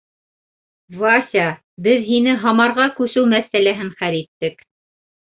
— Вася, беҙ һине Һамарға күсереү мәсьәләһен хәл иттек.